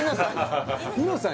イノさん？